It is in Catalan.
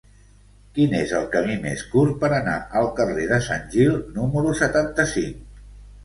Quin és el camí més curt per anar al carrer de Sant Gil número setanta-cinc?